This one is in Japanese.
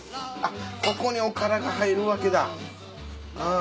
ここにおからが入るわけだ。